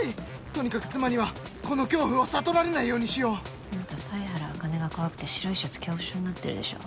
とにかく妻にはこの恐怖を悟られないようにしようあんた犀原茜が怖くて白いシャツ恐怖症になってるでしょ